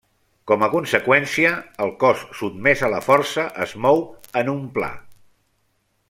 Com a conseqüència, el cos sotmès a la força es mou en un pla.